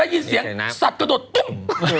ยินเสียงสัตว์กระโดดตุ้ม